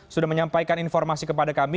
sudah menyampaikan informasi kepada kami